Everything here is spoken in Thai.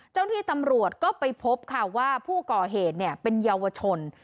เจ้าหน้าที่ตำรวจก็ไปพบค่ะว่าผู้ก่อเหตุเป็นเยาวชน